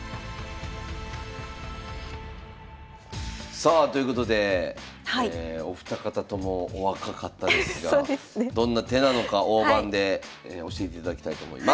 さあということでお二方ともお若かったですがどんな手なのか大盤で教えていただきたいと思います。